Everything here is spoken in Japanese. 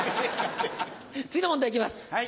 次の問題いきます。